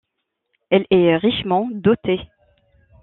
Elle est richement dotée.